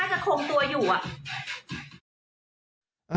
ถ้าจะคงตัวอยู่อะ